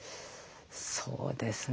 そうですね